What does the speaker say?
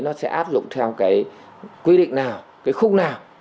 nó sẽ áp dụng theo cái quy định nào cái khung nào